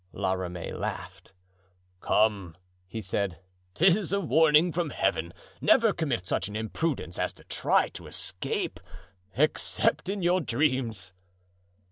La Ramee laughed. "Come," he said, "'tis a warning from Heaven. Never commit such an imprudence as to try to escape, except in your dreams."